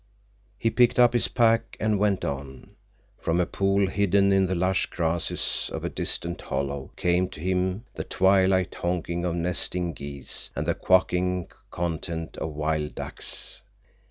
He picked up his pack and went on. From a pool hidden in the lush grasses of a distant hollow came to him the twilight honking of nesting geese and the quacking content of wild ducks.